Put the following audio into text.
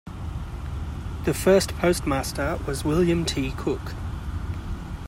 The first postmaster was William T. Cook.